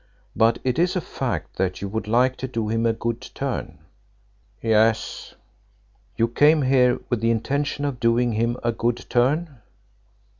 But it is a fact that you would like to do him a good turn?" "Yes." "You came here with the intention of doing him a good turn?"